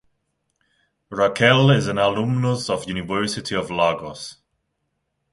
Raquel is an alumnus of University of Lagos.